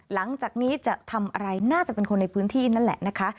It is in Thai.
หลังจากนี้จะทำอะไรน่าจะเป็นคนในพื้นที่นั่นแหละนะคะ